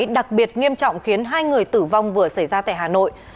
thang máy đặc biệt nghiêm trọng khiến hai người tử vong vừa xảy ra tại hà nội